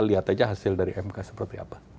lihat aja hasil dari mk seperti apa